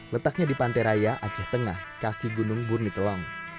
letaknya di pantai raya aceh tengah kaki gunung burnitelong